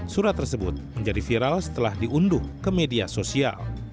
surat tersebut menjadi viral setelah diunduh ke media sosial